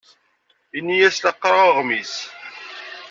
Ini-as la qqareɣ aɣmis.